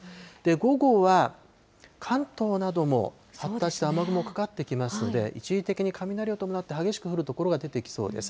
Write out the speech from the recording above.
午後は、関東なども発達した雨雲かかってきますので、一時的に雷を伴って激しく降る所が出てきそうです。